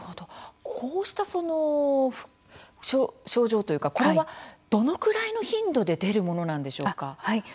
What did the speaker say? こうした症状というかこれは、どのくらいの頻度で出るものなんでしょうか。